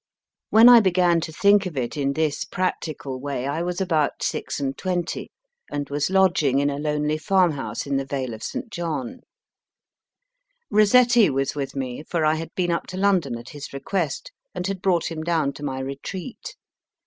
When I began to think of it in this practical way I was about six and twenty, and was lodging in a lonely farmhouse in the Vale of St. John. HALL CAINE 63 Rossetti was with me, for I had been up to London at his request, and had brought him down to my retreat.